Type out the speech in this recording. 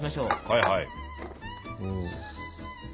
はいはい。